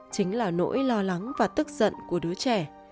chính là nỗi lo lắng và tức giận của đứa trẻ